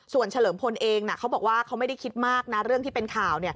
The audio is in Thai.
ส่วนเฉลิมพลเองเขาบอกว่าเขาไม่ได้คิดมากนะเรื่องที่เป็นข่าว